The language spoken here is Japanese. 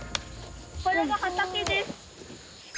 これが畑です。